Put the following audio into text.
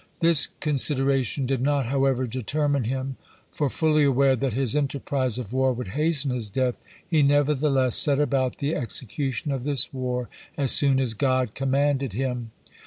This consideration did not, however, determine him, for, fully aware that his enterprise of war would hasten his death, he nevertheless set about the execution of this war as soon as God commanded him.